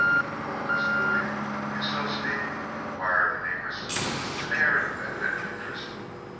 "Oh! Miss Looey, you so 'peak?" inquired the negress with an air of evident interest.